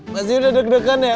pasti udah deg degan ya